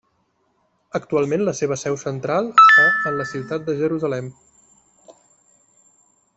Actualment la seva seu central està en la ciutat de Jerusalem.